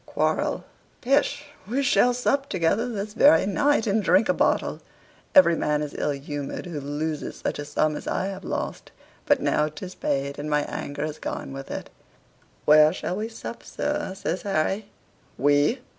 "Quarrel pish! We shall sup together this very night, and drink a bottle. Every man is ill humored who loses such a sum as I have lost. But now 'tis paid, and my anger is gone with it." "Where shall we sup, sir?" says Harry. "WE!